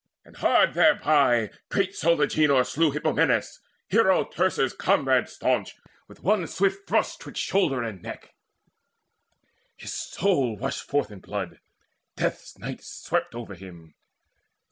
And hard thereby great souled Agenor slew Hippomenes, hero Teucer's comrade staunch, With one swift thrust 'twixt shoulder and neck: his soul Rushed forth in blood; death's night swept over him.